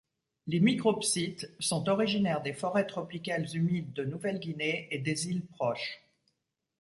Les micropsittes sont originaires des forêts tropicales humides de Nouvelle-Guinée et des îles proches.